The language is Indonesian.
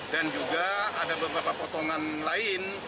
dan juga ada beberapa potongan lain